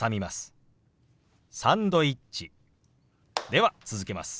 では続けます。